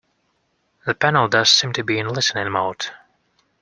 The panel does seem to be in listening mode.